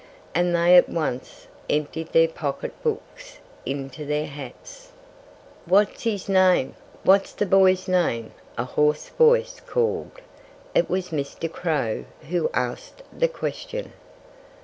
And they at once emptied their pocket books into their hats. "What's his name? What's the poor boy's name?" a hoarse voice called. It was Mr. Crow who asked the question.